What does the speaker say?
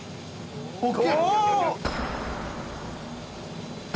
お！